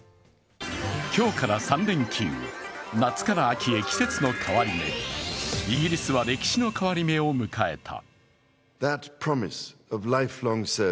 今日から３連休、夏から秋へ季節の変わり目、イギリスは歴史の変わり目を迎えた。